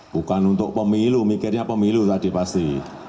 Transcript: bukan untuk pemilu mikirnya pemilu tadi pasti